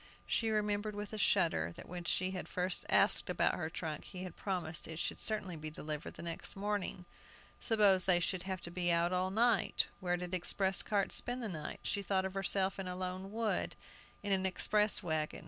She remembered with a shudder that when she had first asked about her trunk, he had promised it should certainly be delivered the next morning. Suppose they should have to be out all night? Where did express carts spend the night? She thought of herself in a lone wood, in an express wagon!